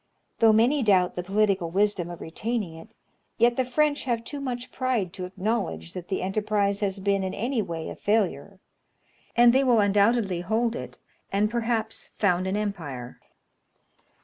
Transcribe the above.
Though many doubt the political wisdom of retaining it, yet the French have too much pride to acknowledge that the enterprise has been in any way a failure; and they will undoubtedly hold it, and perhaps found an empire.